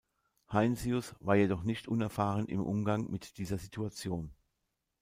Heinsius war jedoch nicht unerfahren im Umgang mit dieser Situation.